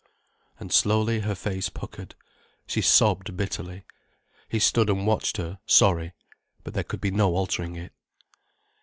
_" And slowly her face puckered, she sobbed bitterly. He stood and watched her, sorry. But there could be no altering it.